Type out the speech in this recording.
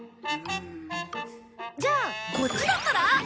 じゃあこっちだったら？